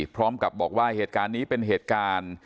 พร้อมกับบอกว่าเหตุการณ์นี้เป็นเหตุการณ์